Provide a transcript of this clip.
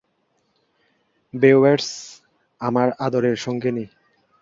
বেওয়্যার্স, আমার আদরের সঙ্গিনী!